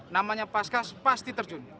namanya pas khas pasti terjun